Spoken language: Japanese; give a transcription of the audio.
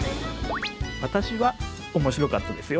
私は面白かったですよ。